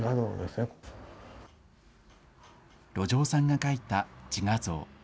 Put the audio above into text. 路上さんが描いた自画像。